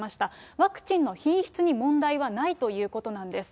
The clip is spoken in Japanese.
ワクチンの品質に問題はないということなんです。